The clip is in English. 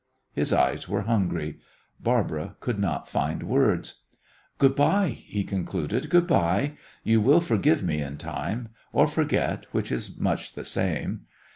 His eyes were hungry. Barbara could not find words. "Good by," he concluded. "Good by. You will forgive me in time or forget, which is much the same.